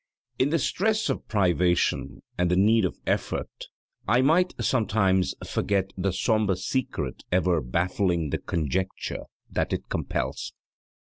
In the stress of privation and the need of effort I might sometimes forget the sombre secret ever baffling the conjecture that it compels.